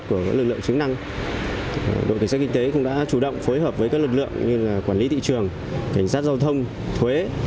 cảnh sát kinh tế cũng đã chủ động phối hợp với các lực lượng như quản lý thị trường cảnh sát giao thông thuế